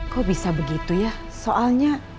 kok bisa begitu ya soalnya